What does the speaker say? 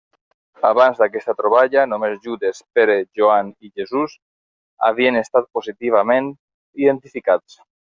Abans d'aquesta troballa, només Judes, Pere, Joan i Jesús havien estat positivament identificats.